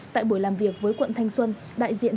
tại buổi làm việc với quận thanh xuân